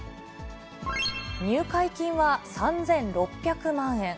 入会金は３６００万円。